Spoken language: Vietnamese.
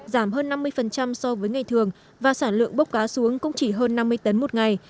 giảm hơn năm mươi so với ngày thường và sản lượng bốc cá xuống cũng chỉ hơn năm mươi tấn một ngày